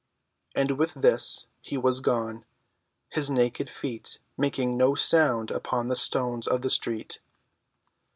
And with this he was gone, his naked feet making no sound upon the stones of the street.